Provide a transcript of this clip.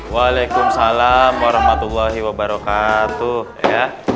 waalaikumsalam warahmatullahi wabarakatuh ya